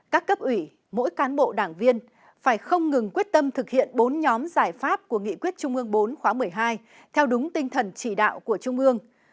các cấp ủy mỗi cán bộ đảng viên phải không ngừng quyết tâm thực hiện bốn nhóm giải pháp của nghị quyết trung ương bốn khóa một mươi hai theo đúng tinh thần chỉ đạo của trung ương